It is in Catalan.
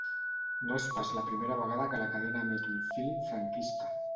No és pas la primera vegada que la cadena emet un film franquista.